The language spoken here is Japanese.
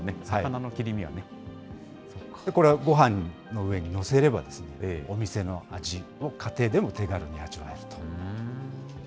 これ、ごはんの上に載せれば、お店の味を家庭でも手軽に味わえると。